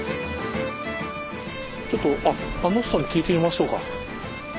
ちょっとあの人に聞いてみましょうか。